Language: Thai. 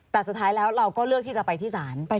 แต่สุดท้ายแล้วเราก็เลือกที่จะไปที่ศาล